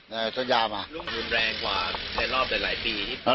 รุ่นแรงกว่าในรอบได้หลายปี